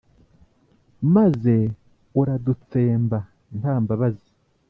maze uradutsemba nta mbabazi;